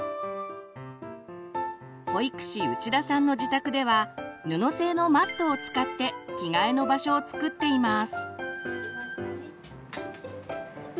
保育士内田さんの自宅では布製のマットを使って「着替えの場所」を作っています。